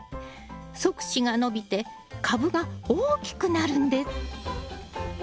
側枝が伸びて株が大きくなるんです。